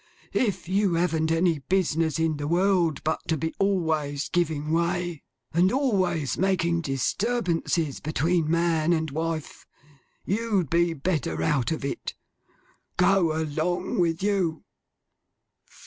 If you haven't any business in the world, but to be always giving way, and always making disturbances between man and wife, you'd be better out of it. Go along with you.